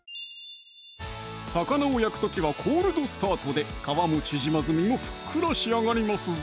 魚を焼く時は「コールドスタート」で皮も縮まず身もふっくら仕上がりますぞ！